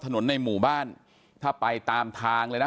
ในหมู่บ้านถ้าไปตามทางเลยนะ